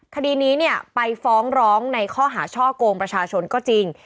คดีนี้เนี่ยไปฟ้องร้องในข้อหาช่อกงประชาชนก็จริง